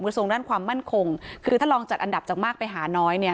ส่วนด้านความมั่นคงคือถ้าลองจัดอันดับจากมากไปหาน้อยเนี่ย